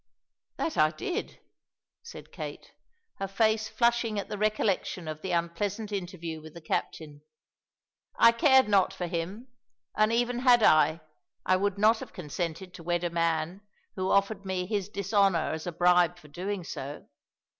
"That did I," said Kate, her face flushing at the recollection of the unpleasant interview with the captain; "I cared not for him, and even had I, I would not have consented to wed a man who offered me his dishonour as a bribe for doing so.